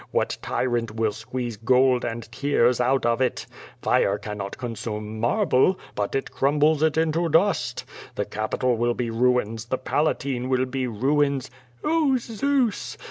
What tyrant will squeeze gold and tears out of it? Fire cannot consume marble, but it crumbles it into dust. The Capitol will be ruins, the Palatine will be ruins. Oh, Zeus!